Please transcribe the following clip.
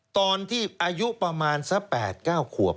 ตอนที่อายุประมาณสัก๘๙ขวบ